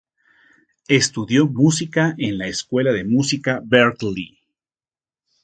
Estudió música en la Escuela de Música Berklee.